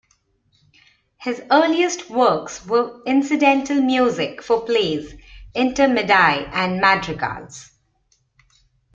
His earliest works were incidental music for plays, "intermedi" and madrigals.